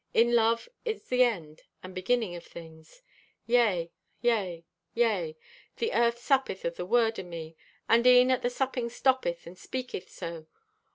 In love is the end and beginning of things. "Yea, yea, yea, the earth suppeth o' the word o' me, and e'en at the supping stoppeth and speaketh so.